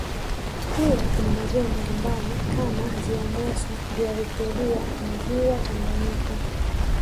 Pia kuna maziwa mbalimbali kama ziwa nyasa ziwa victoria na ziwa Tanganyika